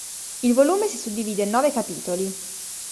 Il volume si suddivide in nove capitoli.